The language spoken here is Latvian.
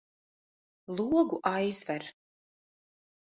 Logu aizver!